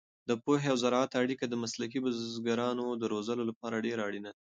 د پوهنې او زراعت اړیکه د مسلکي بزګرانو د روزلو لپاره ډېره اړینه ده.